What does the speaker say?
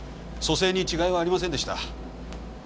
組成に違いはありませんでした。